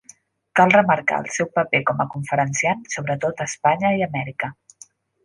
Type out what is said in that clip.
Cal remarcar el seu paper com a conferenciant, sobretot a Espanya i Amèrica.